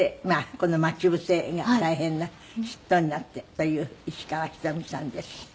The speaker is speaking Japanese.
この『まちぶせ』が大変なヒットになってという石川ひとみさんです。